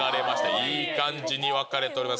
いい感じに分かれております。